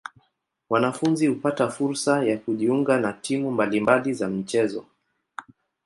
Wanafunzi hupata fursa ya kujiunga na timu mbali mbali za michezo.